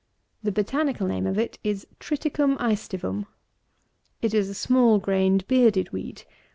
The botanical name of it is TRITICUM ÆSTIVUM. It is a small grained bearded wheat.